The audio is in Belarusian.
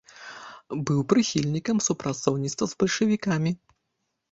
Быў прыхільнікам супрацоўніцтва з бальшавікамі.